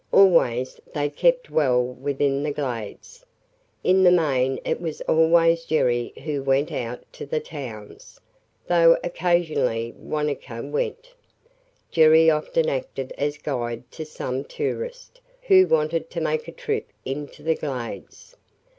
Always they kept well within the Glades. In the main it was always Jerry who went out to the towns, though occasionally Wanetka went. Jerry often acted as guide to some tourist who wanted to make a trip into the Glades.